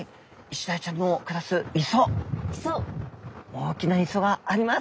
大きな磯があります。